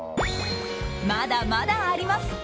まだまだあります